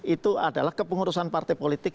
itu adalah kepengurusan partai politik